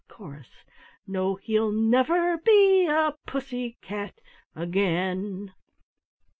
Chorus ("No, he'll never be a Pussy cat again!")